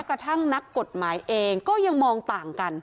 แท้กระทั่งนักกฎหมายเองตั้ง่ายก็ยังมองต่างกัน